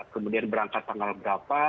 kemudian berangkat tanggal berapa